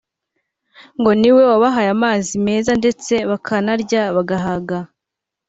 ngo niwe wabahaye amazi meza ndetse bakanarya bagahaga